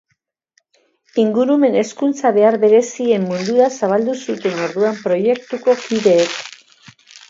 Ingurumen hezkuntza behar berezien mundura zabaldu zuten orduan proiektuko kideek.